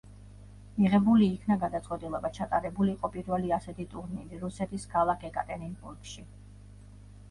მიღებული იქნა გადაწყვეტილება ჩატარებულიყო პირველი ასეთი ტურნირი რუსეთის ქალაქ ეკატერინბურგში.